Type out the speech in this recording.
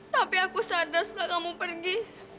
tapi aku sadar setelah kamu pergi